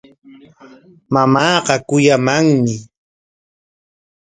Mamaaqa kuyamanmi.